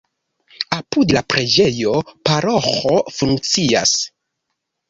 Apud la preĝejo paroĥo funkcias.